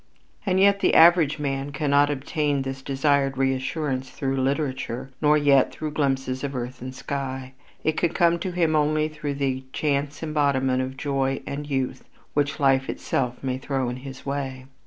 And yet the average man cannot obtain this desired reassurance through literature, nor yet through glimpses of earth and sky. It can come to him only through the chance embodiment of joy and youth which life itself may throw in his way.